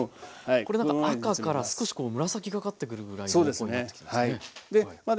これなんか赤から少し紫がかってくるぐらい濃厚になってきてますね。